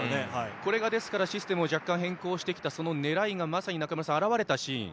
これがシステムを若干変更してきた狙いが表れたシーン。